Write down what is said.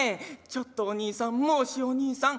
『ちょっとおにいさんもしおにいさん』。